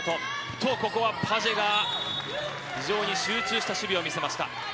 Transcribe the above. と、ここはパジェが非常に集中した守備を見せました。